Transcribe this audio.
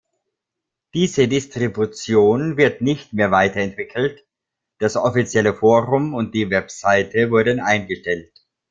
Diese Distribution wird nicht mehr weiterentwickelt, das offizielle Forum und die Webseite wurden eingestellt.